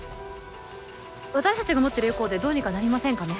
私たちが持ってるエコーでどうにかなりませんかね？